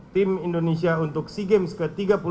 tim indonesia untuk sea games ke tiga puluh dua